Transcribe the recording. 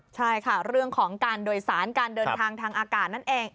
ใช่ค่ะเรื่องของการโดยสารการเดินทางทางอากาศนั่นเอง